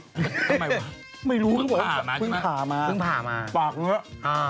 ทำไมวะพึ่งผ่ามาปากลึกอ๋อ